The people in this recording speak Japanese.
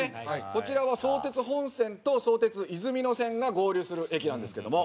こちらは相鉄本線と相鉄いずみ野線が合流する駅なんですけども。